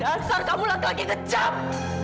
dasar kamu lagi lagi kecap